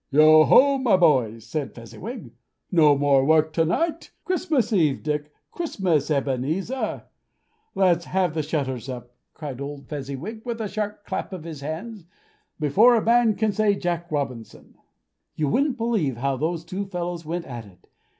"Yo ho, my boys!" said Fezziwig, "No more work to night. Christmas Eve, Dick, Christmas, Ebenezer. Let's have the shutters up," cried old Fezziwig, with a sharp clap of his hands, "before a man can say Jack Robinson!" You wouldn't believe how those two fellows went at it!